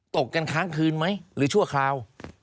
ตกกันค้างคืนไหมหรือชั่วคราว